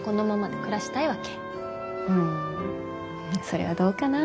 それはどうかな。